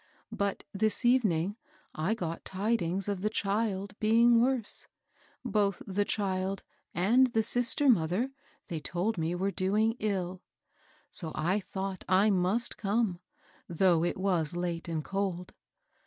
But this evening I got tidings of the child being worse, — both the child and the aister mother tlvey told me were doing ill; so I THE WOLF AT THE DOOR. 897 thought I must come, though it was late and cold.